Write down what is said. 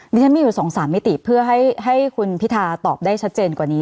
ดิฉันมีอยู่๒๓มิติเพื่อให้คุณพิทาตอบได้ชัดเจนกว่านี้